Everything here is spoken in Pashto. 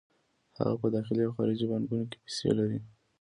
هغه په داخلي او خارجي بانکونو کې پیسې لري